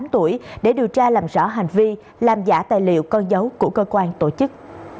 một mươi tám tuổi để điều tra làm rõ hành vi làm giả tài liệu con dấu của cơ quan tổ chức